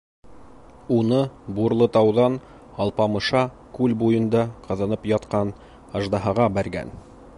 Уны Бурлытауҙан Алпамыша күл буйында ҡыҙынып ятҡан аждаһаға бәргән.